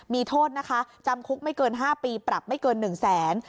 มีโทษนะคะจำคุกไม่เกิน๕ปีปรับไม่เกิน๑แสน